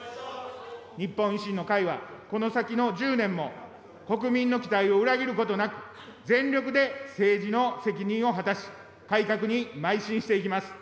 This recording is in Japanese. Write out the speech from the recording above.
日本維新の会はこの先の１０年も、国民の期待を裏切ることなく、全力で政治の責任を果たし、改革にまい進していきます。